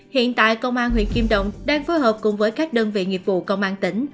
hiện tại công an huyện kim động đang phối hợp cùng với các đơn vị nghiệp vụ công an tỉnh